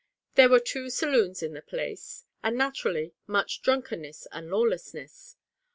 There were two saloons in the place, and, naturally, much drunkenness and lawlessness.